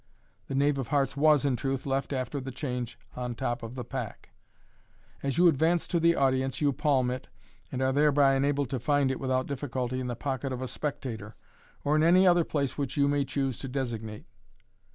The knave of hearts was, in truth, left after the change on the top of the pack. As you advance to the audience, you palm it, and are thereby enabled to find it without difficulty in the pocket of a spectator, or in any other place which you may choose to designate.